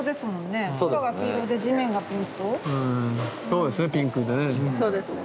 そうですねピンクでね。